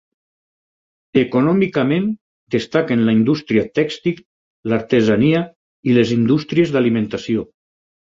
Econòmicament destaquen la indústria tèxtil, l'artesania i les indústries d'alimentació.